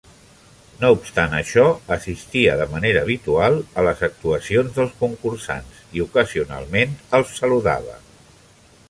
No obstant això, assistia de manera habitual a les actuacions dels concursants i, ocasionalment, els saludava.